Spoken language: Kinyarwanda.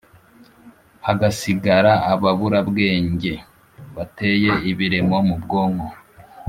Hagasigara ababurabwenge bateye ibiremo mu bwonko